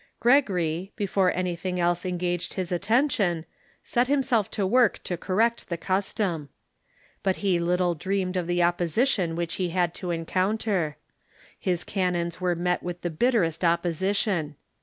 289. THE GREGORIAN REFORM 131 cry, before anything else engaged his attention, set himself to work to correct the custom. But he little dreamed of the opposition which he had to encounter. His canons were met with the bitterest opposition.